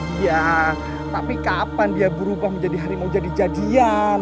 iya tapi kapan dia berubah menjadi harimau jadi jadian